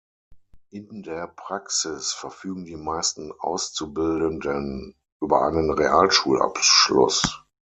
In der Praxis verfügen die meisten Auszubildenden über einen Realschulabschluss.